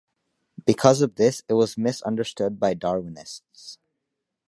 Because of this, it was misunderstood by Darwinists.